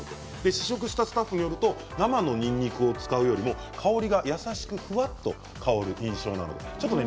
試食したスタッフによると生のにんにくを使うよりも香り優しくふわっと香る印象で食べやすいそうです。